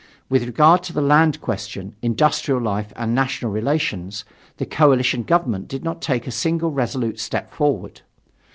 With regard to the land question, industrial life, and national relations, the coalition government did not take a single resolute step forward.